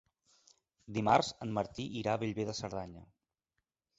Dimarts en Martí irà a Bellver de Cerdanya.